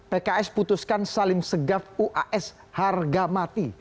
pks putuskan saling segap uas harga mati